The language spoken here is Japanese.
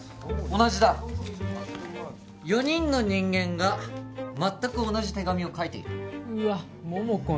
同じだ４人の人間が全く同じ手紙を書いているうわっ桃子